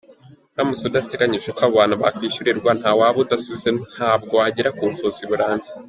Uramutse udateganyije uko abo bantu bakwishyurirwa, ntaho waba ubasize ntabwo wagera ku buvuzi burambye.